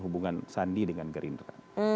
hubungan sandi dengan gerindra